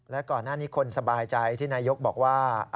และก่อนหน้านี้คนสบายใจที่นายกบอกว่า